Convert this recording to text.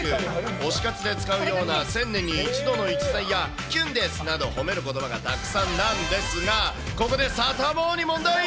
推し活で使うような１０００年に一度の逸材や、きゅんですなど、褒めることばがたくさんなんですが、ここでサタボーに問題。